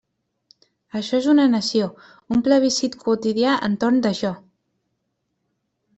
Això és una nació, un plebiscit quotidià entorn d'això.